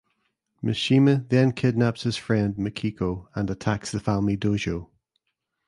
Mishima then kidnaps his friend Mikiko and attacks the family dojo.